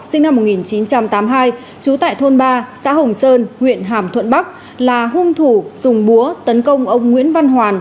sinh năm một nghìn chín trăm tám mươi hai trú tại thôn ba xã hồng sơn huyện hàm thuận bắc là hung thủ dùng búa tấn công ông nguyễn văn hoàn